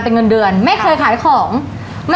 พี่หมวยถึงได้ใจอ่อนมั้งค่ะ